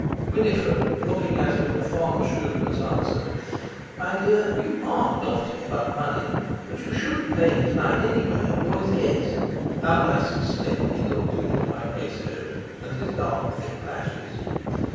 Winifred, looking at him with fond shrewdness, answered: "My dear, you are naughty about money. But you shouldn't pay him to night, anyway; you're his guest. How nice and slim he looked in his white waistcoat, and his dark thick lashes!"